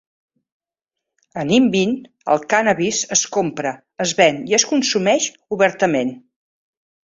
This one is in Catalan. A Nimbin, el cànnabis es compra, es ven i es consumeix obertament.